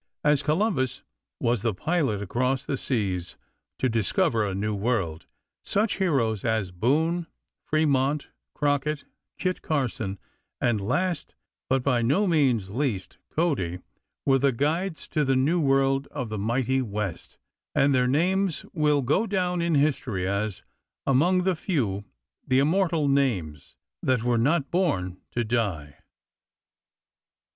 As Columbus was the pilot across the seas to discover a new world, such heroes as Boone, Fremont, Crockett, Kit Carson, and last, but by no means least, Cody, were the guides to the New World of the mighty West, and their names will go down in history as "Among the few, the immortal names That were not born to die."